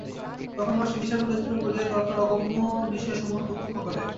তখন মানুষ বিচারের গণ্ডি অতিক্রম করিয়া তর্কের অগম্য বিষয়সমূহ প্রত্যক্ষ করে।